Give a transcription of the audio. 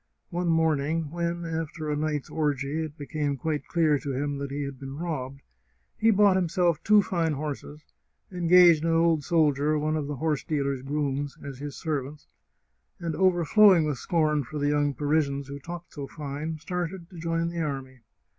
One morning, when, after a night's orgie, it became quite clear to him that he had been robbed, he bought himself two fine horses, engaged an old soldier, one of the horse dealer's grooms, as his servant, and, overflowing with scorn for the young Parisians who talked so fine, started to join the army.